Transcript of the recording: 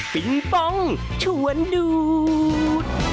ปิงปองชวนดูด